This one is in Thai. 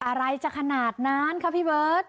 อะไรจะขนาดนั้นค่ะพี่เบิร์ต